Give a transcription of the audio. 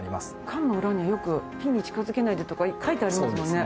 缶の裏によく「火に近づけないで」とか書いてありますもんね。